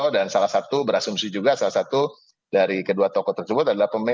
dan salah satu berasumsi juga salah satu dari kedua tokoh tersebut adalah pemenang dari pilpress